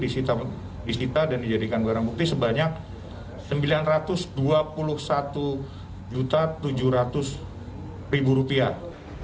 disita dan dijadikan barang bukti sebanyak sembilan ratus dua puluh satu tujuh ratus rupiah